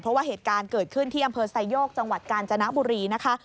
เพราะว่าเหตุการณ์เกิดขึ้นที่อำเภอไซโยกจังหวัดกาญจนบุรีนะคะ